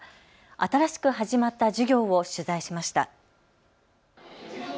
新しく始まった授業を取材しました。